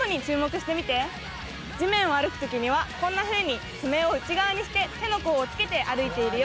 地面を歩く時にはこんなふうに爪を内側にして手の甲をつけて歩いているよ。